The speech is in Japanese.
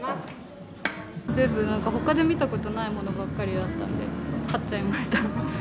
全部なんか、ほかで見たことのないものばっかりだったんで、買っちゃいました。